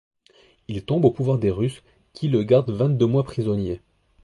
Il tombe au pouvoir des Russes, qui le gardent vingt-deux mois prisonnier.